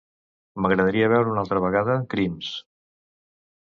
M'agradaria veure una altra vegada "Crims".